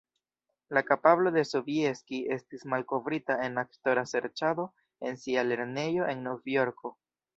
La kapablo de Sobieski estis malkovrita en aktora serĉado en sia lernejo, en Novjorko.